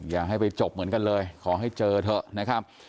อย่าให้ไปจบเหมือนกันเลยขอให้เจอเถอะนะครับ